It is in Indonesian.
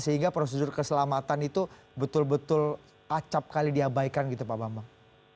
sehingga prosedur keselamatan itu betul betul acap kali diabaikan gitu pak bambang